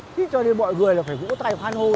thế cho nên mọi người là phải vũ tay khoan hô